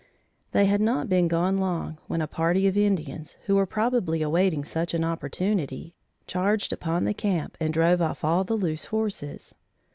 They had not been gone long when a party of Indians, who were probably awaiting such an opportunity, charged upon the camp and drove off all the loose horses.